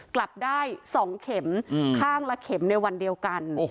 กลับได้๒เข็มข้างละเข็มในวันเดียวกัน